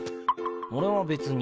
俺は別に。